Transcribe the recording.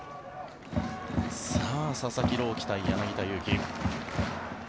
佐々木朗希対柳田悠岐。